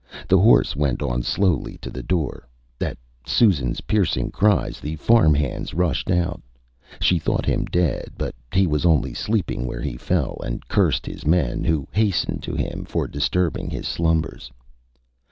The horse went on slowly to the door. At SusanÂs piercing cries the farm hands rushed out. She thought him dead, but he was only sleeping where he fell, and cursed his men, who hastened to him, for disturbing his slumbers.